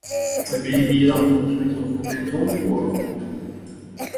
在哔哩哔哩大火并迅速火遍整个中国网络。